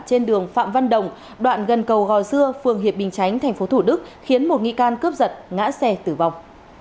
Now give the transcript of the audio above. trên đường phạm văn đồng đoạn gần cầu gò dưa phường hiệp bình chánh tp thủ đức khiến một nghi can cướp giật ngã xe tử vong